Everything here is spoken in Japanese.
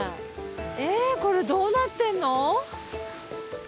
えこれどうなってるの？